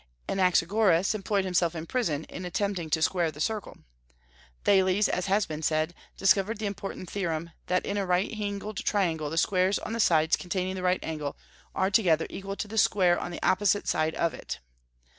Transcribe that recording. Anaxagoras employed himself in prison in attempting to square the circle. Thales, as has been said, discovered the important theorem that in a right angled triangle the squares on the sides containing the right angle are together equal to the square on the opposite side of it.